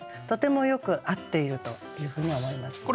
とてもよく合っているというふうに思います。